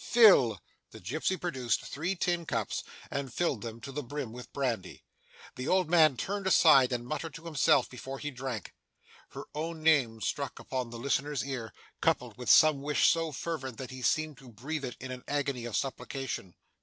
Fill!' The gipsy produced three tin cups, and filled them to the brim with brandy. The old man turned aside and muttered to himself before he drank. Her own name struck upon the listener's ear, coupled with some wish so fervent, that he seemed to breathe it in an agony of supplication.